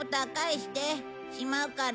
しまうから。